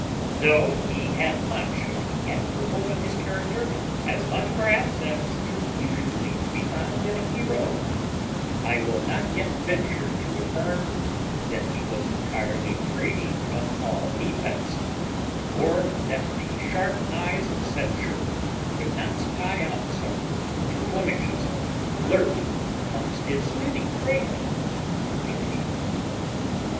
Though he had much of the admirable in his character, as much perhaps as is usually to be found in a hero, I will not yet venture to affirm that he was entirely free from all defects, or that the sharp eyes of censure could not spy out some little blemishes lurking amongst his many great perfections.